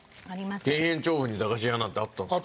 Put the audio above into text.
田園調布に駄菓子屋なんてあったんですか？